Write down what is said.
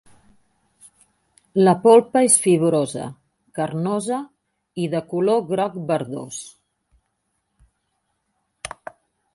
La polpa és fibrosa, carnosa i de color groc verdós.